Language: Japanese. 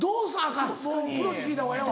もうプロに聞いたほうがええわ。